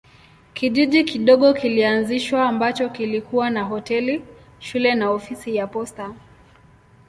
Kijiji kidogo kilianzishwa ambacho kilikuwa na hoteli, shule na ofisi ya posta.